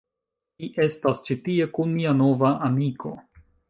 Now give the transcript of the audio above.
Mi estas ĉi tie kun mia nova amiko